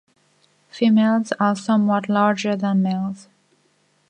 Females are somewhat larger than males.